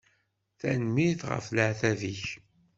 Tanemmirt ɣef leεtab-ik.